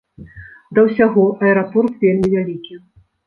Да ўсяго, аэрапорт вельмі вялікі.